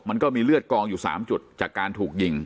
มันก็มีเลือดกองอยู่๓จุดจากการถูกยิง